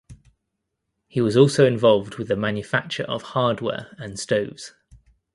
He was also involved with the manufacture of hardware and stoves.